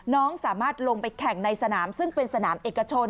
น้องสามารถลงไปแข่งในสนามซึ่งเป็นสนามเอกชน